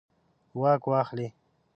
واک واخلي.